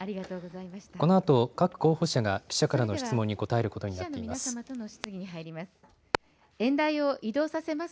このあと各候補者が、記者からの質問に答えることになっています。